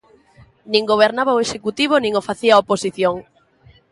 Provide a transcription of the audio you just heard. Nin gobernaba o Executivo, nin o facía a oposición.